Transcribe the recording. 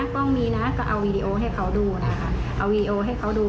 ก็เอาวีดีโอให้เขาดูนะคะเอาวีดีโอให้เขาดู